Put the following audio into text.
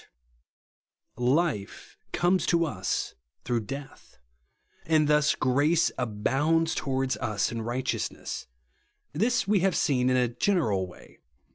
12. Life comes to us througli death ; and thus grace abounds towards us in righteousness. This we have seen in a general way.